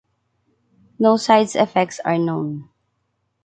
No side effects are known.